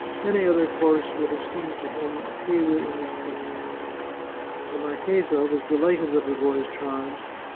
Any other course would have seemed to him a failure in respect. The marchesa was delighted with her boy's charms.